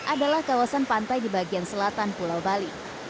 adalah kawasan pantai di bagian selatan pulau bali